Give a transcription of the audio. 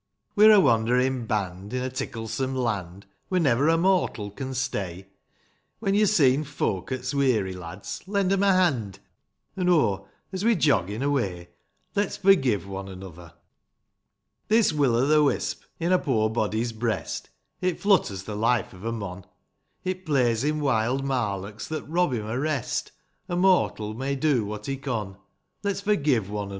We're a wanderin' band, in a ticklesome land, Where never a mortal can stay ; When yo seen folk 'at's weary, lads, lend 'em a hand, — An', oh, — as we're joggin' away, — Let's forgive one another ! 111. This will o' the wisp in a poor body's breast, It flutters the life of a mon ; It plays him wild marlocks that rob him o' rest, — A mortal may do what he con, — Let's forgive one another